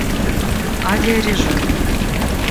Авиарежим